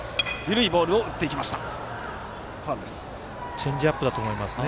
チェンジアップだと思いますね